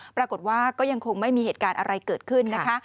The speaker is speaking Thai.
ปรากฏว่าก็ยังคงไม่มีเหตุการณ์อะไรเกิดขึ้นนะคะ